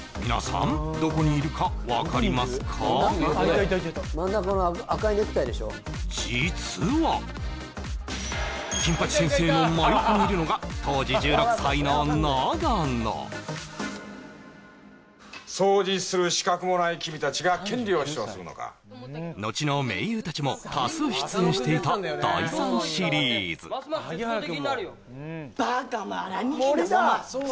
皆さん実は金八先生の真横にいるのが当時１６歳の長野掃除する資格もない君たちが権利を主張するのか後の名優たちも多数出演していた第３シリーズバカお前